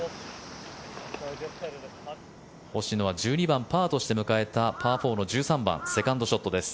星野は１２番、パーとして迎えたパー４の１３番セカンドショットです。